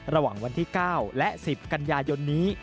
ระหว่างวันที่๙และ๑๐กันยายนนี้